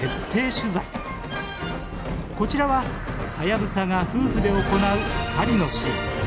こちらはハヤブサが夫婦で行う狩りのシーン。